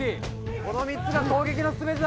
この３つが攻撃の全てだ！